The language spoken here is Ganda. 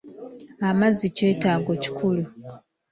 Amazzi kyetaago kikulu.